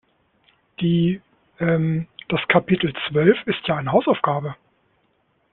Die, ähm, das Kapitel zwölf ist ja eine Hausaufgabe.